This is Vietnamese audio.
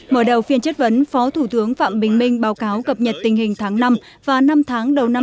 mở đầu phiên chất vấn phó thủ tướng phạm bình minh báo cáo cập nhật tình hình tháng năm và năm tháng đầu năm hai nghìn hai mươi